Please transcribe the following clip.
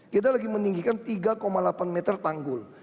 kita lagi meninggikan tiga delapan meter tanggul